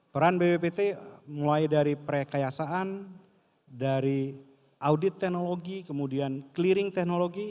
peran bppt mulai dari perkayasaan dari audit teknologi kemudian clearing teknologi